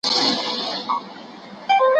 د هېواد ساتنه د هر وګړي دنده ده.